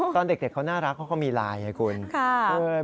ตอนเด็กเขาน่ารักเขามีลายนะครับคุณ